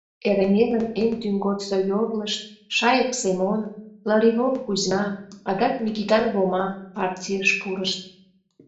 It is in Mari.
Эреҥерын эн тӱҥ годсо йорлышт — Шайык Семон, Лыривон Кузьма, адак Микитан Вома — партийыш пурышт.